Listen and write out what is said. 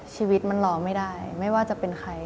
ชีวิตมันรอไม่ได้ไม่ว่าจะเป็นใคร